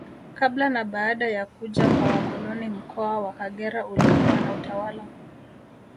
Kabla na baada ya kuja kwa wakoloni Mkoa wa Kagera ulikuwa na utawala